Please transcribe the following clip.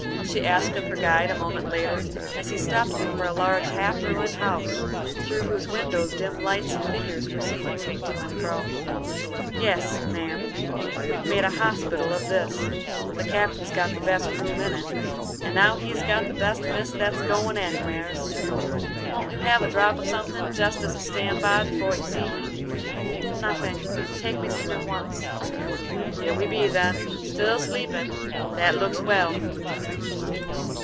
she asked of her guide a moment later, as he stopped before a large, half ruined house, through whose windows dim lights and figures were seen moving to and fro. "Yes, ma'am; we've made a hospital of this; the Captain's got the best room in it, and now he's got the best miss that's goin' anywheres. Won't you have a drop of something jest as a stand by before you see him?" "Nothing; take me to him at once." "Here we be then. Still sleepin': that looks well."